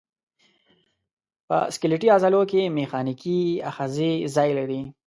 په سکلیټي عضلو کې میخانیکي آخذې ځای لري.